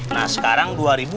nah sekarang dua ribu delapan belas